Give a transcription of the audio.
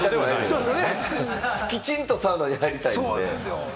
きちんとサウナに入りたい。